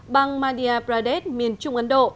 bang madhya pradesh miền trung ấn độ